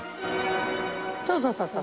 そうそうそうそう。